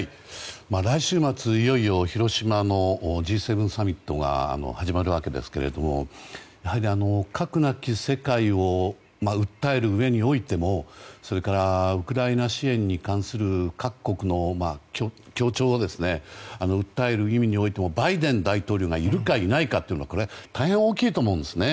来週末、いよいよ広島のＧ７サミットが始まるわけですけど核なき世界を訴えるうえにおいてもそれから、ウクライナ支援に関する各国の協調を訴える意味においてもバイデン大統領がいるかいないかは大変大きいと思うんですね。